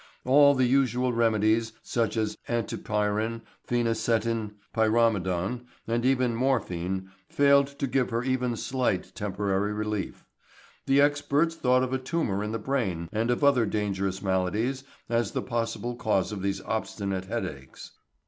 All the usual remedies, such as antipyrin, phenacetin, pyramidon, and even morphine, failed to give her even slight temporary relief. The experts thought of a tumor in the brain and of other dangerous maladies as the possible cause of these obstinate headaches.